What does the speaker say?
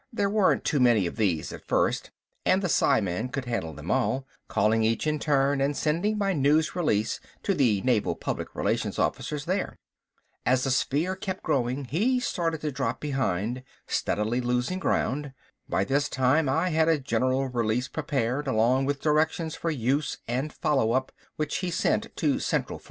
There weren't too many of these at first and the psiman could handle them all, calling each in turn and sending by news releases to the Naval Public Relations officers there. As the sphere kept growing he started to drop behind, steadily losing ground. By this time I had a general release prepared, along with directions for use and follow up, which he sent to Central 14.